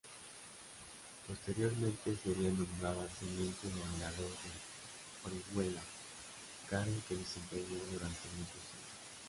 Posteriormente sería nombrado Teniente Gobernador de Orihuela, cargo que desempeñó durante muchos años.